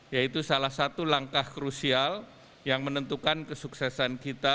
yaitu salah satu langkah krusial yang menentukan kesuksesan kita